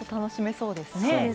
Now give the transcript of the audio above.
そうですね。